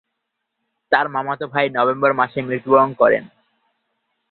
তার মামাতো ভাই নভেম্বর মাসে মৃত্যুবরণ করে।